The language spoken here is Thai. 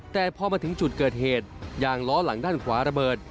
แต่พอมาถึงจุดเกิดเหตุยางล้อหลังด้านขวาระเบิด